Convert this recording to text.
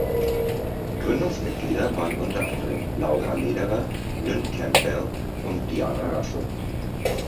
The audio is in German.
Gründungsmitglieder waren unter anderem Laura Lederer, Lynn Campell und Diana Russell.